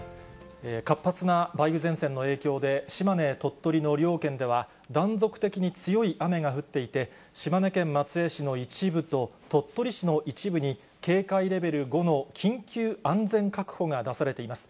活発な梅雨前線の影響で島根、鳥取の両県では、断続的に強い雨が降っていて、島根県松江市の一部と鳥取市の一部に、警戒レベル５の緊急安全確保が出されています。